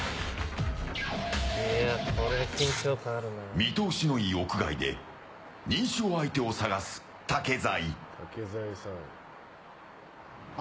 見通しのいい屋外で認証相手を探す竹財。